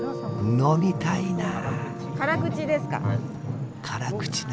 飲みたいなあ。